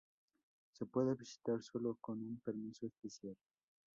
Se puede visitar sólo con un permiso especial.